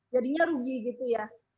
jadinya rugi gitu ya